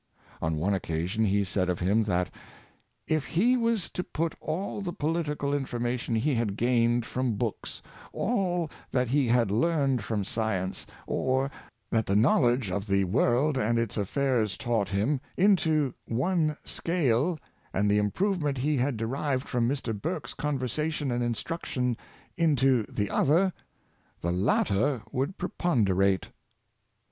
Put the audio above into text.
On one oc casion he said of him, that " if he was to put all the po litical information he had gained from books, all that he had learned from science, or that the knowledge of the world and its affairs taught him, into one scale, and the improvement he had derived from Mr. Burke's conver sation and instruction into the other, the latter would preponderate."